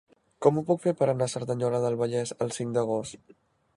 Com ho puc fer per anar a Cerdanyola del Vallès el cinc d'agost?